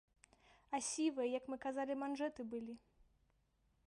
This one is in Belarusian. А сівыя, як мы казалі, манжэты былі.